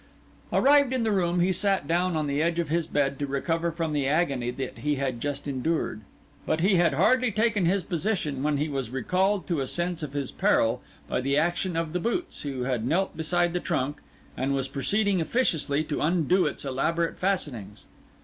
Arrived in the room, he sat down on the edge of his bed to recover from the agony that he had just endured; but he had hardly taken his position when he was recalled to a sense of his peril by the action of the boots, who had knelt beside the trunk, and was proceeding officiously to undo its elaborate fastenings.